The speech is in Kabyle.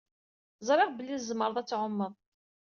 Ẓriɣ belli tzemreḍ ad tɛummeḍ.